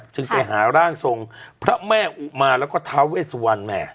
ซึ่งไปหาร่างทรงพระแม่อุตมาและทาเวซวล